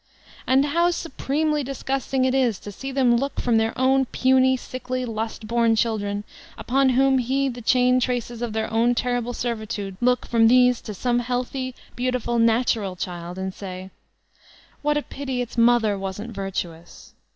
And how supremely disgusting it is to see them look from their own puny, sickly, lust bom children, upon whom lie the chain traces of their own terrible servitude, kx>k from these to some heahhy, beautiful "natural" child, and say, "What a pity its mother wasn't virtuous!"